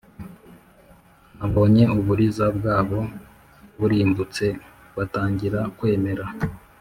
babonye uburiza bwabo burimbutse, batangira kwemera